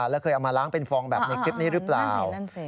แล้วเคยเอามาล้างเป็นฟองแบบในคลิปนี้หรือเปล่า